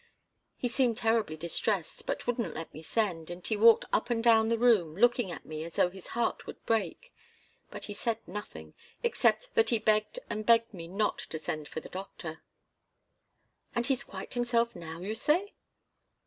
He seemed terribly distressed, but wouldn't let me send, and he walked up and down the room, looking at me as though his heart would break. But he said nothing, except that he begged and begged me not to send for the doctor." "And he's quite himself now, you say?"